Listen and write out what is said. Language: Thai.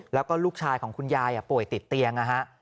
แล้วก็ลูกชายของคุณยายป่วยติดเตียงนะฮะ